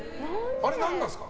あれ何なんですか？